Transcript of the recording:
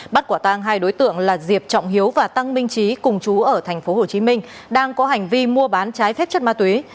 bắt quả tang hai đối tượng là diệp trọng hiếu và tăng minh trí cùng chú ở tp hcm đang có hành vi mua bán trái phép chất ma túy